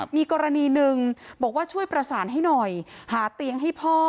มีกรณีหนึ่งบอกว่าช่วยประสานให้หน่อยหาเตียงให้พ่อ